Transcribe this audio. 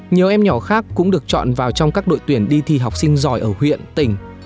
nhiều em nhỏ khác cũng được chọn vào trong các đội tuyển đi thi học sinh giỏi ở huyện tỉnh